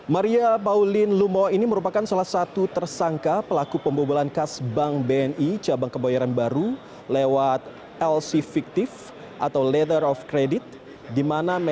maria pauline lumo ini merupakan salah satu tersangka pelaku pembobolan kas bank belakang